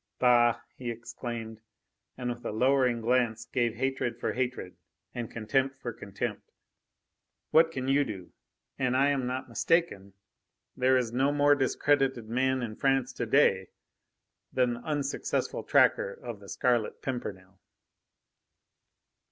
"Bah!" he exclaimed, and with a lowering glance gave hatred for hatred, and contempt for contempt. "What can you do? An I am not mistaken, there is no more discredited man in France to day than the unsuccessful tracker of the Scarlet Pimpernel."